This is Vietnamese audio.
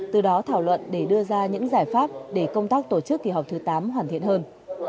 từ đó thảo luận để đưa ra những giải pháp để công tác tổ chức kỳ họp thứ tám hoàn thiện hơn